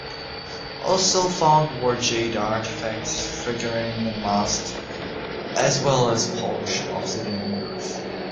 Also found were jade artifacts, figurines and masks, as well as polished obsidian mirrors.